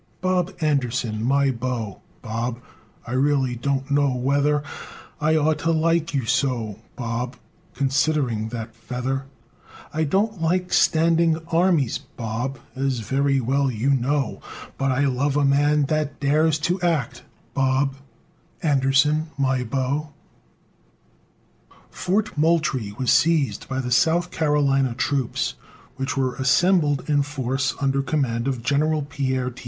Bob Anderson, my beau, Bob, I really don't know whether I ought to like you so, Bob, considering that feather; I don't like standing armies, Bob, as very well you know, But I love a man that dares to act, Bob Anderson, my beau. Fort Moultrie was seized by the South Carolina troops, which were assembled in force under command of General Pierre T.